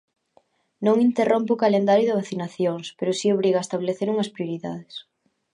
Non interrompe o calendario de vacinacións, pero si obriga a establecer unhas prioridades.